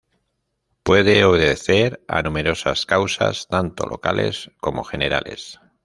Puede obedecer a numerosas causas, tanto locales como generales.